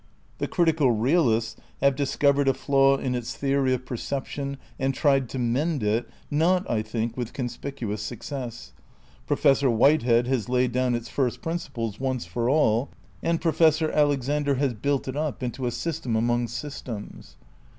The Critical Eealists ^ have discovered a flaw in its theory of perception and tried to mend it (not, I think, with conspicuous success) ; Professor Whitehead " has laid down its first principles once for all; and Pro fessor Alexander * has built it up into a system among systems.